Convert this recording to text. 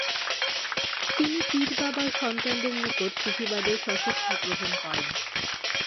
তিনি পীর বাবার সন্তানদের নিকট সুফিবাদের সশিক্ষা গ্রহণ করেন।